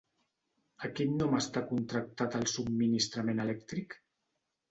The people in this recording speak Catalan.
A quin nom està contractat el subministrament elèctric?